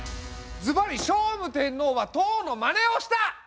ズバリ聖武天皇は唐のまねをした！